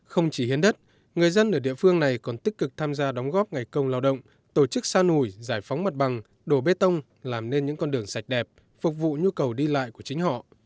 không chỉ hiến đất người dân ở địa phương này còn tích cực tham gia đóng góp ngày công lao động tổ chức sa nổi giải phóng mặt bằng đổ bê tông làm nên những con đường sạch đẹp phục vụ nhu cầu đi lại của chính họ